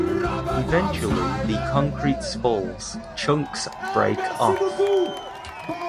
Eventually the concrete spalls - chunks break off.